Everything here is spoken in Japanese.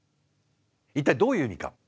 一体どういう意味か。